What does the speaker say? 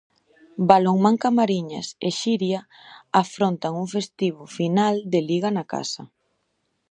Balonmán Camariñas e Xiria afrontan un festivo final de liga na casa.